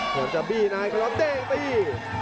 เพื่อนจะบี้นายคลอดเต้งตี